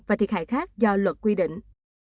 và thiệt hại khác do luật quy định